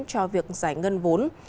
cho việc giải ngân vốn